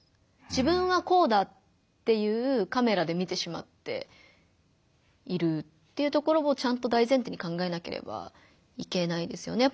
「自分はこうだ」っていうカメラで見てしまっているっていうところをちゃんと大前提に考えなければいけないですよね。